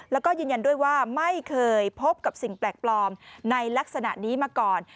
แล้วก็ยืนยันด้วยว่าไม่เคยพบกับสิ่งแปลกปลอมในลักษณะนี้มาก่อน